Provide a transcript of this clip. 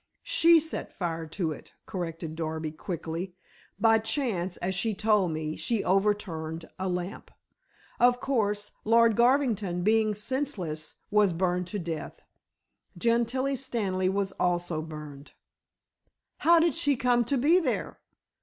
"She set fire to it," corrected Darby quickly, "by chance, as she told me, she overturned a lamp. Of course, Lord Garvington, being senseless, was burned to death. Gentilla Stanley was also burned." "How did she come to be there?"